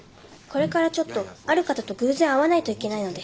これからちょっとある方と偶然会わないといけないので。